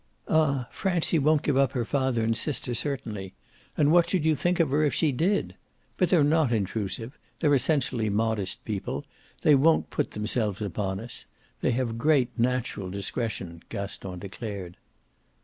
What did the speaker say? "Ah Francie won't give up her father and sister, certainly; and what should you think of her if she did? But they're not intrusive; they're essentially modest people; they won't put themselves upon us. They have great natural discretion," Gaston declared.